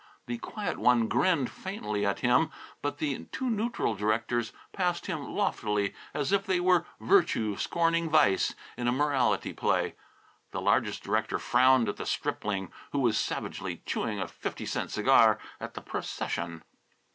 The quiet one grinned faintly at him, but the two neutral directors passed him loftily, as if they were Virtue scorning Vice in a morality play. The largest director frowned at the stripling who was savagely chewing a fifty cent cigar at the procession.